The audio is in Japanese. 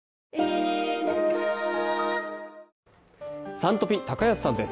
「Ｓｕｎトピ」、高安さんです。